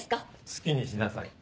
好きにしなさい。